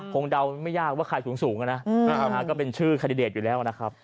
เดาไม่ยากว่าใครสูงนะก็เป็นชื่อแคนดิเดตอยู่แล้วนะครับ